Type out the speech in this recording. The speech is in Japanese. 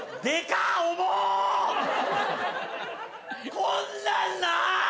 こんなんなん！？